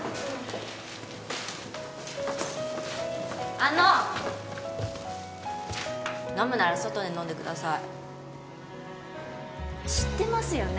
あの飲むなら外で飲んでください知ってますよね？